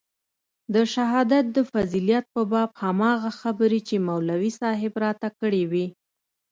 د شهادت د فضيلت په باب هماغه خبرې چې مولوي صاحب راته کړې وې.